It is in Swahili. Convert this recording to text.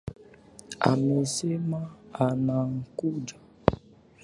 Amesema anakuja